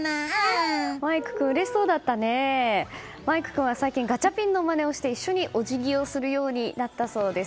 琥君は最近、ガチャピンのまねをして一緒にお辞儀をするようになったそうです。